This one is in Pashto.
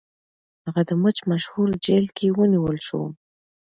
هغه د مچ مشهور جیل کې ونیول شو.